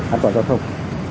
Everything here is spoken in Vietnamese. an toàn giao thông